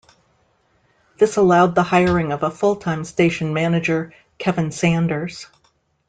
This allowed the hiring of a full-time station manager, Kevin Sanders.